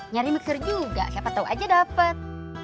nyari mixer juga siapa tau aja dapat